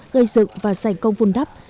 gây dựng và giành công vun đắp